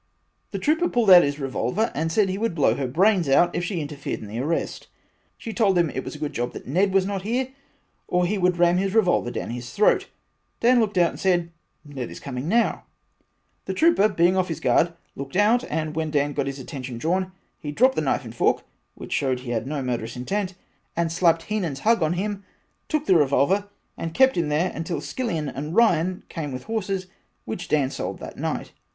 The trooper pulled out his revolver and said he would blow her brains out if she interfered. In the arrest she told him it was a good job for him Ned was not there or he would ram the revolver down his throat Dan looked out and said Ned is coming now, the trooper being off his guard looked out and when Dan got his attention drawn he dropped the knife and fork which showed he had no murderous intent and slapped heenans hug on him took his revolver and kept him there until Skillion and Ryan came with horses which Dan sold that night.